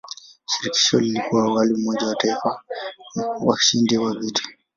Shirikisho lilikuwa awali umoja wa mataifa washindi wa vita.